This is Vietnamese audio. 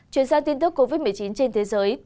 chuyển sang tin tức covid một mươi chín trên thế giới